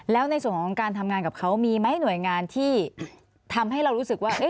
แล้วในส่วนของการทำงานกับเขามีไหมหน่วยงานที่ทำให้เรารู้สึกว่า